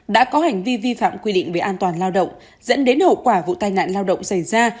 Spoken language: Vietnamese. đã có hành vi vi phạm quy định về an toàn lao động dẫn đến hậu quả vụ tai nạn lao động xảy ra